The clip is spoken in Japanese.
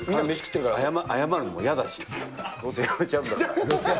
謝るのも嫌だし、どうせやめちゃうんだから。